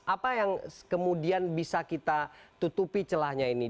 apa yang kemudian bisa kita tutupi celahnya ini